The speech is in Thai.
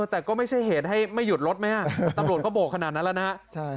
แต่ก็ไม่ใช่เหตุให้ไม่หยุดรถไหมตำรวจก็โบกขนาดนั้นแล้วนะ